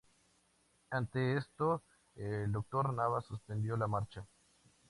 Ante esto el Doctor Nava suspendió la marcha.